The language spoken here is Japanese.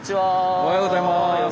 おはようございます。